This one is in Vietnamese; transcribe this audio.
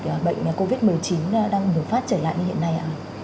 và dịch bệnh covid một mươi chín đang biểu phát trở lại như hiện nay ạ